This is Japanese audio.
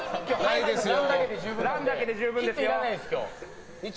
ランだけで十分ですよ！